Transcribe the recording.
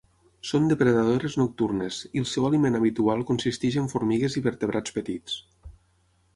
Són depredadores nocturnes, i el seu aliment habitual consisteix en formigues i vertebrats petits.